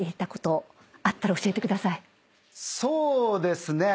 そうですね。